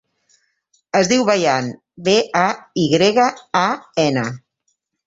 Es diu Bayan: be, a, i grega, a, ena.